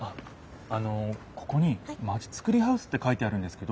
あのここに「まちづくりハウス」って書いてあるんですけど。